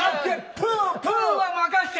「プ」は任せて。